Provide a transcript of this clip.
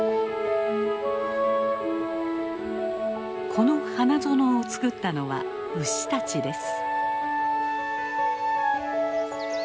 この花園をつくったのは牛たちです。